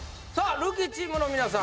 ルーキーチームの皆さん